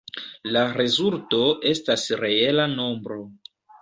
La rezulto estas reela nombro.